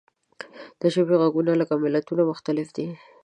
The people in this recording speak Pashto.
د ژبې غږونه لکه ملتونه مختلف دي.